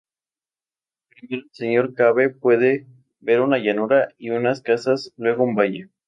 Primero el señor Cave puede ver una llanura y unas casas, luego un valle.